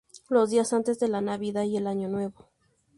Los días antes de la Navidad y el Año Nuevo.